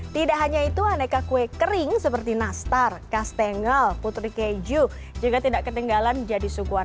tidak hanya itu aneka kue kering seperti nastar kastengel putri keju juga tidak ketinggalan jadi sukuan